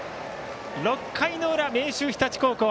６回の裏、明秀日立高校